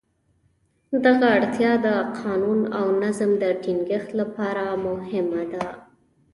دغه اړتیا د قانون او نظم د ټینګښت لپاره مهمه ده.